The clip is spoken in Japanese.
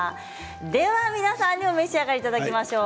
皆さんにお召し上がりいただきましょう。